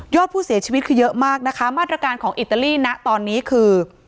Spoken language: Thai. ผู้เสียชีวิตคือเยอะมากนะคะมาตรการของอิตาลีนะตอนนี้คือ